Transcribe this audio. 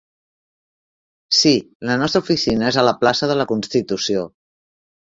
Sí, la nostra oficina és a la plaça de la Constitució.